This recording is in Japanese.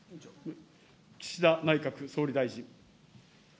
岸田内閣総理大臣。